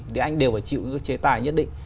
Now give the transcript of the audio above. thì anh đều phải chịu các chế tài nhất định